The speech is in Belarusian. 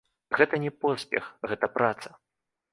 Гэта не поспех, гэта праца.